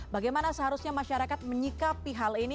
bagaimana seharusnya masyarakat menyikapi hal ini